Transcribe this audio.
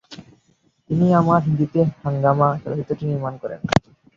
তিনিই আবার হিন্দিতে "হাঙ্গামা" চলচ্চিত্রটি নির্মাণ করেন।